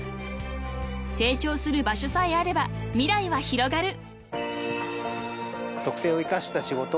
［成長する場所さえあれば未来は広がる］